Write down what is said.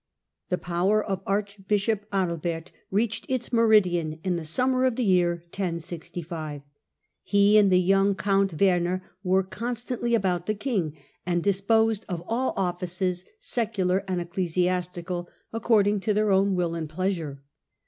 The power of archbishop Adalbert reached its meridian in the summer of the year 1065. He and the young The fall of couut Womer were constantly about the i^bert?^ king, and disposed of all offices, secular and ecclesiastical, according to their own will and pleasure.